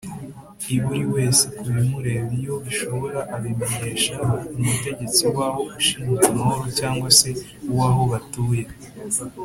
i buri wese kubimureba iyo bishobora abimenyesha umutegetsi waho ushinzwe amahoro cg se uwahobatuye